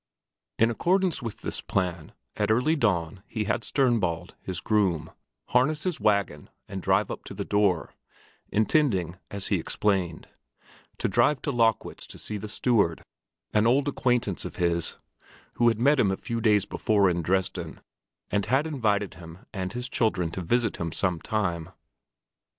In accordance with this plan, at earliest dawn he had Sternbald, his groom, harness his wagon and drive up to the door, intending, as he explained, to drive to Lockwitz to see the steward, an old acquaintance of his, who had met him a few days before in Dresden and had invited him and his children to visit him some time.